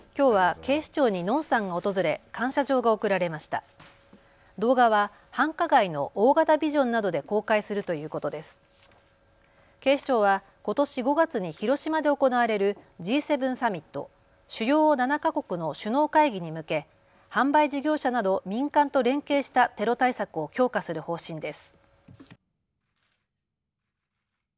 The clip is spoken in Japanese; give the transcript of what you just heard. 警視庁はことし５月に広島で行われるＧ７サミット・主要７か国の首脳会議に向け販売事業者など民間と連携したテロ対策を強化する方針です。